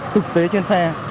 thực tế trên xe